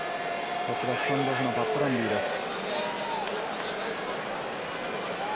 こちらスタンドオフのパットランビーです。